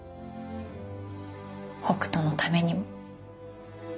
北斗のためにも。